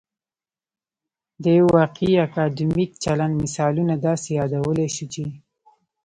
د یو واقعي اکادمیک چلند مثالونه داسې يادولای شو چې